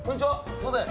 すいません。